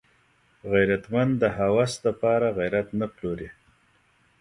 غیرتمند د هوس د پاره غیرت نه پلوري